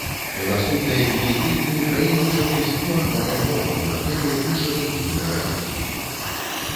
У наступныя дні і тыдні краіну захліснула хваля гвалту на глебе міжрэлігійнага канфлікту.